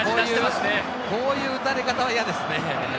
こういう打たれ方は嫌ですね。